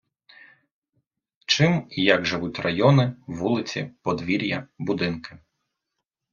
чим і як живуть райони, вулиці, подвір"я, будинки.